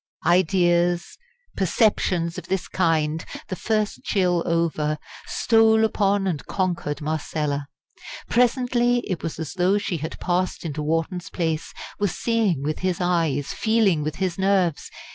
Ideas, perceptions of this kind the first chill over stole upon and conquered Marcella. Presently it was as though she had passed into Wharton's place, was seeing with his eyes, feeling with his nerves.